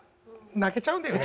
泣けちゃうんだよね。